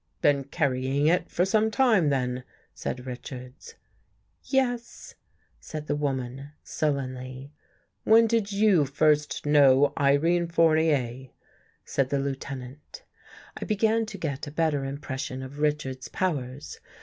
"Been carrying it for some time, then?" said Richards. " Yes," said the woman sullenly. " When did you first know Irene Fournier? " said the Lieutenant. I began to get a better impression of Richards's powers.